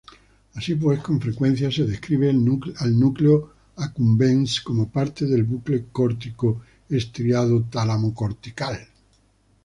Así pues, con frecuencia se describe al núcleo accumbens como parte del bucle cortico-estriado-tálamo-cortical.